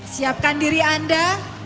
siapkan diri anda